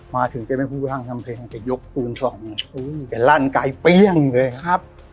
มาถึงจะไม่พูดว่างทำเพลงแต่ยกตูนสอนอย่างงี้อุ้ยเป็นร่านกายเปรี้ยงเลยครับ